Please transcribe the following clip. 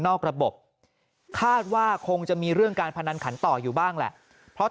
ระบบคาดว่าคงจะมีเรื่องการพนันขันต่ออยู่บ้างแหละเพราะ